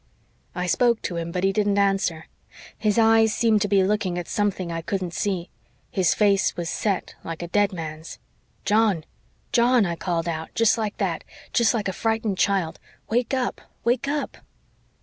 "I spoke to him but he didn't answer. His eyes seemed to be looking at something I couldn't see. His face was set, like a dead man's. "'John John,' I called out jest like that jest like a frightened child, 'wake up wake up.'